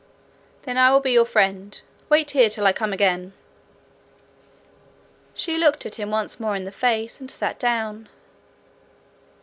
'Then I will be your friend. Wait here till I come again.' She looked him once more in the face, and sat down.